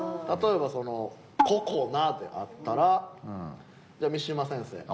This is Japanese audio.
例えば「ここな」であったらじゃあ三島先生。